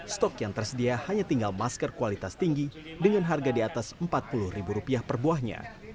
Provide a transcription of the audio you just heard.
stok yang tersedia hanya tinggal masker kualitas tinggi dengan harga di atas rp empat puluh ribu rupiah per buahnya